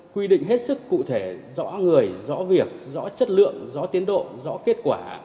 quy định hết sức cụ thể rõ người rõ việc rõ chất lượng rõ tiến độ rõ kết quả